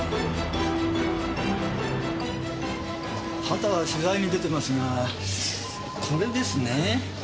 畑は取材に出てますがこれですねぇ。